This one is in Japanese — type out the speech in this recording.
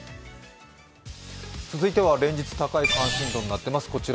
続いては連日高い関心度になっています。